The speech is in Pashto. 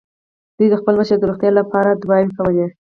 دوی د خپل مشر د روغتيا له پاره دعاوې کولې.